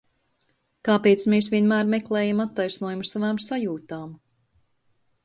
Kāpēc mēs vienmēr meklējam attaisnojumu savām sajūtām?